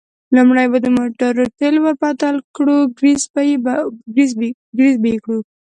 لومړی به د موټرو تېل ور بدل کړو، ګرېس به یې کړو.